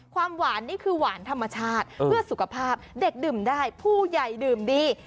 ความหวานนี่คือหวานธรรมชาติเพื่อสุขภาพเด็กดื่มได้ผู้ใหญ่ดื่มดี